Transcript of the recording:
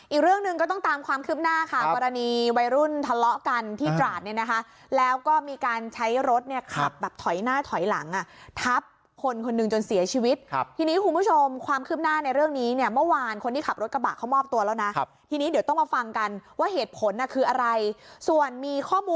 อีกเรื่องหนึ่งก็ต้องตามความคืบหน้าค่ะกรณีวัยรุ่นทะเลาะกันที่ตราดเนี่ยนะคะแล้วก็มีการใช้รถเนี่ยขับแบบถอยหน้าถอยหลังอ่ะทับคนคนหนึ่งจนเสียชีวิตครับทีนี้คุณผู้ชมความคืบหน้าในเรื่องนี้เนี่ยเมื่อวานคนที่ขับรถกระบะเขามอบตัวแล้วนะทีนี้เดี๋ยวต้องมาฟังกันว่าเหตุผลน่ะคืออะไรส่วนมีข้อมูล